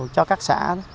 cho các xã